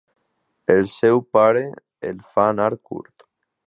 El seu pare el fa anar curt.